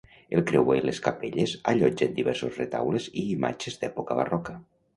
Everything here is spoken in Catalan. El creuer i les capelles allotgen diversos retaules i imatges d'època barroca.